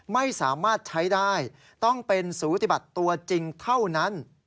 ไม่สามารถใช้ได้ต้องเป็นสูติบัติตัวจริงเท่านั้น